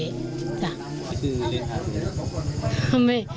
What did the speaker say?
ซื้อเลขาดอยู่หรือ